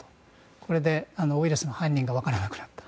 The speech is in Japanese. これでウイルスの犯人がわからなくなったと。